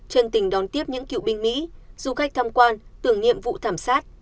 chân tình đón tiếp những cựu binh mỹ du khách tham quan tưởng nhiệm vụ thảm sát